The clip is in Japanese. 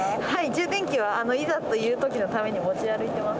充電器はいざという時のために持ち歩いてます。